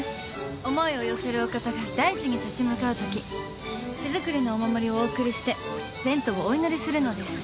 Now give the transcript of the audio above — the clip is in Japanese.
思いを寄せるお方が大事に立ち向かうとき手作りのお守りをお贈りして前途をお祈りするのです。